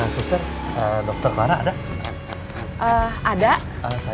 sista dokter warah ada